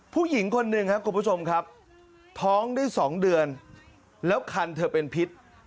ผู้หญิงคนหนึ่งครับคุณผู้ชมครับท้องได้๒เดือนแล้วคันเธอเป็นพิษ